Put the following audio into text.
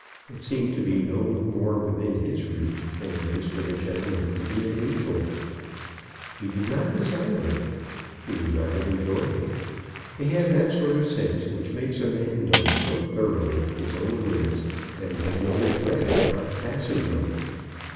It seemed to be no more within his reach than it is for the gentleman to be an angel. He did not desire it. He would not have enjoyed it. He had that sort of sense which makes a man know so thoroughly his own limits that he has no regret at not passing them.